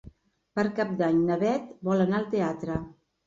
Per Cap d'Any na Beth vol anar al teatre.